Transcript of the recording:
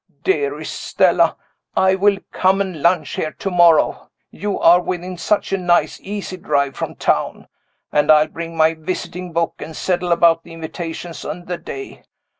Dearest Stella, I will come and lunch here to morrow you are within such a nice easy drive from town and I'll bring my visiting book, and settle about the invitations and the day.